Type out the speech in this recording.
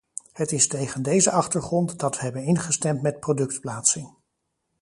Het is tegen deze achtergrond dat we hebben ingestemd met productplaatsing.